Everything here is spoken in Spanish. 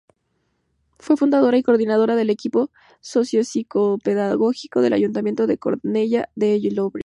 Fue fundadora y coordinadora del Equipo Socio-Psicopedagógico del Ayuntamiento de Cornellá de Llobregat.